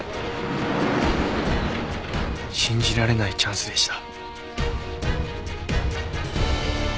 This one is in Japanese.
信じられないチャンスでした。